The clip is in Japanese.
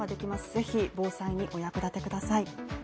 是非防災にお役立てください。